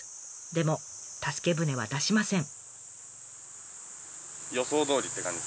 でも助け船は出しません。